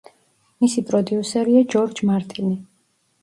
მისი პროდიუსერია ჯორჯ მარტინი.